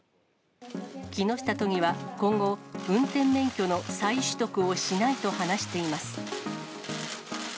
木下都議は今後、運転免許の再取得をしないと話しています。